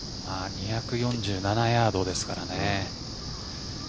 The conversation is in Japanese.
２４７ヤードですからね。